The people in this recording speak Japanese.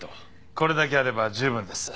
これだけあれば十分です。